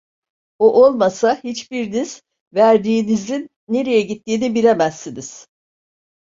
O olmasa, hiçbiriniz verdiğinizin nereye gittiğini bilemezsiniz.